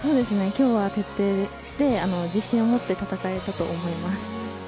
今日は徹底して自信を持って戦えたと思います。